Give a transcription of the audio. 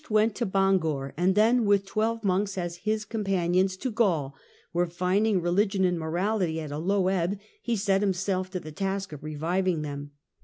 He went first to Bangor and then, with twelve monks as his companions, to Gaul, where, finding re ligion and morality at a low ebb, he set himself to the task of reviving them.